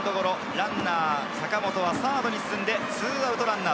ランナー・坂本は、サードに進んで２アウトランナー